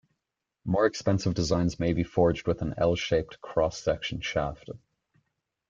More expensive designs may be forged with an I-shaped cross-section shaft.